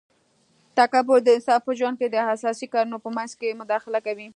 تکبر د انسان په ژوند کي د اساسي کارونو په منځ کي مداخله کوي